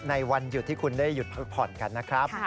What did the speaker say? ในวันหยุดที่คุณได้หยุดพักผ่อนกันนะครับ